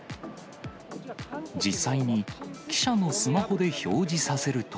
実際に記者のスマホで表示させると。